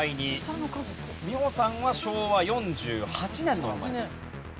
美穂さんは昭和４８年の生まれです。